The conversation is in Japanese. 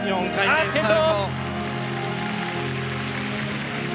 あっ転倒！